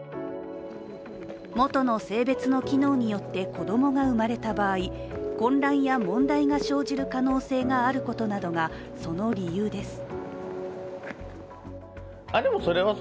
元の性別の機能によって子供が生まれた場合混乱や問題が生じる可能性があることなどがその理由です。